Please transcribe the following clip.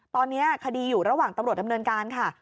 ตอนนี้คดีอยู่ระหว่างตำรวจดำเนินการค่ะ